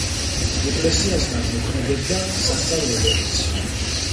ეკლესიასთან მოქმედებდა სასწავლებელიც.